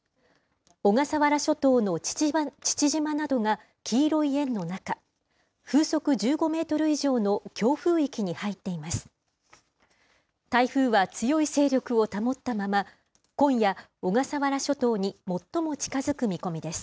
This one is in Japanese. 小笠原諸島の父島などが黄色い円の中、風速１５メートル以上の強風域に入っています。